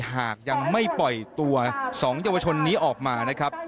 หากยังไม่ปล่อยตัว๒ยาวชนนี้ออกมา